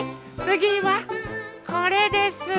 つぎはこれです。